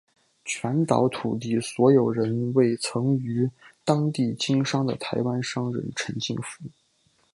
全岛土地所有人为曾于当地经商的台湾商人陈进福。